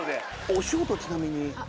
お仕事ちなみに。